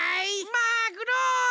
マグロ！